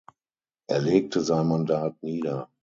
Er legte sein Mandat nieder.